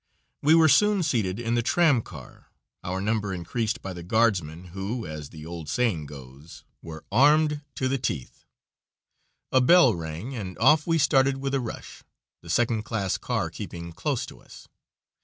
We were soon seated in the tram car, our number increased by the guardsmen, who, as the old saying goes, were armed to the teeth. A bell rang, and off we started with a rush, the second class car keeping close to us.